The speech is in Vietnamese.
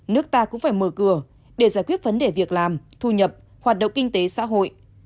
nước ta cũng phải mở cửa để giải quyết vấn đề việc làm thu nhập hoạt động kinh tế xã hội